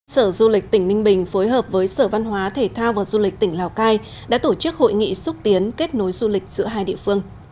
sở du lịch tỉnh ninh bình phối hợp với sở văn hóa thể thao và du lịch tỉnh lào cai đã tổ chức hội nghị xúc tiến kết nối du lịch giữa hai địa phương